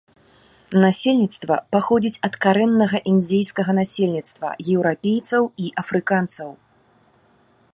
Насельніцтва паходзіць ад карэннага індзейскага насельніцтва, еўрапейцаў і афрыканцаў.